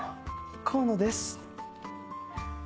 河野です。